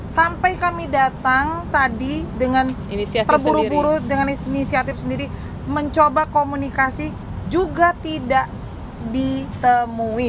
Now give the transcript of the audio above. sampai kami datang tadi dengan terburu buru dengan inisiatif sendiri mencoba komunikasi juga tidak ditemui